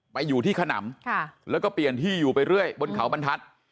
ไปอยู่ที่ขนำแล้วก็เปลี่ยนที่อยู่ไปเรื่อยบนเขาบรรทัศน์